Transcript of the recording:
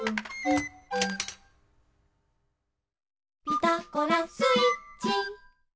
「ピタゴラスイッチ」